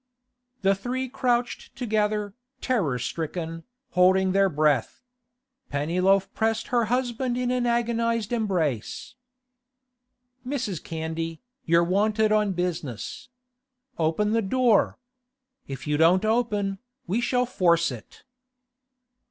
The three crouched together, terror stricken, holding their breath. Pennyloaf pressed her husband in an agonised embrace. 'Mrs. Candy, you're wanted on business. Open the door. If you don't open, we shall force it.